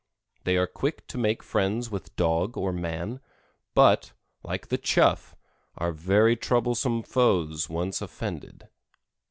They are quick to make friends with dog or man, but, like the Chough, are very troublesome foes when once offended.